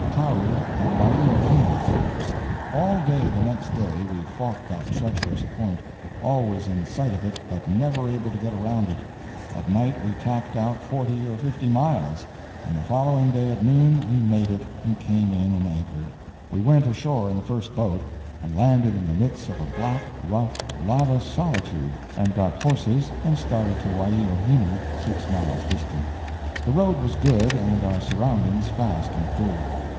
KAU AND WAIOHINU All day the next day we fought that treacherous point—always in sight of it but never able to get around it. At night we tacked out forty or fifty miles, and the following day at noon we made it and came in and anchored. We went ashore in the first boat and landed in the midst of a black, rough, lava solitude, and got horses and started to Waiohinu, six miles distant. The road was good, and our surroundings fast improved.